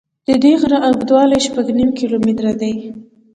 د دې غره اوږدوالی شپږ نیم کیلومتره دی.